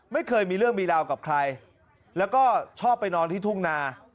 ไม่เคยมีเรื่องมีราวกับใครแล้วก็ชอบไปนอนที่ทุ่งนา